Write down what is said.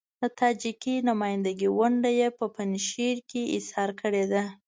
د تاجکي نمايندګۍ ونډه يې په پنجشیر کې اېسار کړې ده.